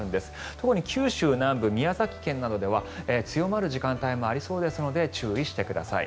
特に九州南部、宮崎県などでは強まる時間帯もありそうですので注意してください。